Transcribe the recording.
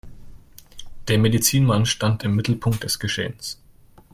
Der Medizinmann stand im Mittelpunkt des Geschehens.